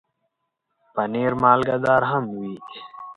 پنېر مالګهدار هم وي.